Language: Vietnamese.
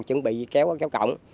chuẩn bị kéo cổng